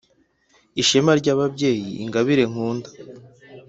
Ishema ry’ababyeyi Ingabire nkunda!